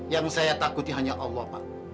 yang saya takuti hanya allah pak